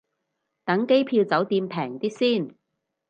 等機票酒店平啲先